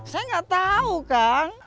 saya gak tau kang